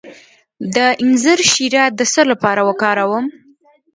د انځر شیره د څه لپاره وکاروم؟